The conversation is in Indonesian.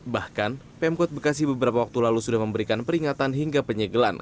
bahkan pemkot bekasi beberapa waktu lalu sudah memberikan peringatan hingga penyegelan